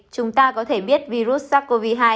chúng ta có thể biết virus sars cov hai